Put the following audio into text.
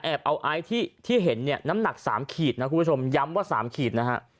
เอาไอซ์ที่เห็นเนี่ยน้ำหนัก๓ขีดนะคุณผู้ชมย้ำว่า๓ขีดนะฮะ